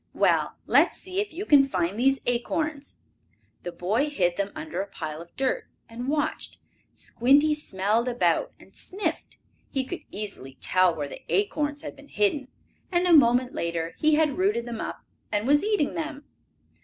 "Well, let's see if you can find these acorns." The boy hid them under a pile of dirt, and watched. Squinty smelled about, and sniffed. He could easily tell where the acorns had been hidden, and, a moment later, he had rooted them up and was eating them.